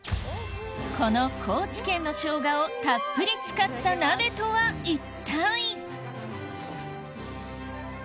この高知県の生姜をたっぷり使った鍋とは一体？